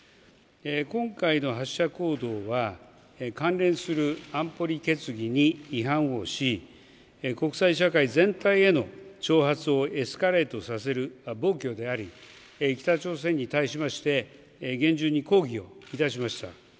今回の発射行動は関連する安保理決議に違反をし国際社会全体への挑発をエスカレートさせる暴挙であり北朝鮮に対しまして厳重に抗議をいたしました。